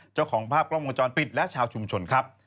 เจ้าของภาพกล้องวงจรปิดและชาวชุมชนครับ